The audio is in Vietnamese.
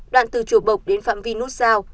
đoạn từ chùa bộc đến phạm vi nút sao